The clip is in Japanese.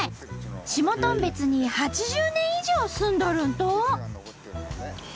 下頓別に８０年以上住んどるんと！